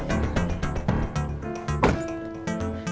tidak ada yang bisa dihentikan